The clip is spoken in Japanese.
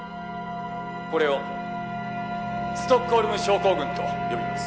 これをストックホルム症候群と呼びます。